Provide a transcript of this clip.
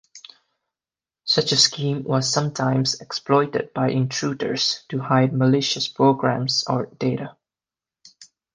Such a scheme was sometimes exploited by intruders to hide malicious programs or data.